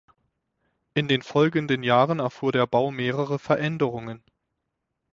In den folgenden Jahren erfuhr der Bau mehrere Veränderungen.